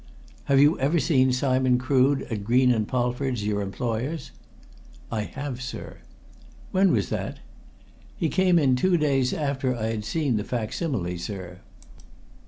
"Have you ever seen Simon Crood at Green & Polford's, your employers?" "I have, sir." "When was that?" "He came in two days after I'd seen the facsimile, sir."